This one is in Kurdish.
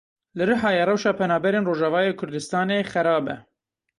Li Rihayê rewşa penaberên Rojavayê Kurdistanê xerab e.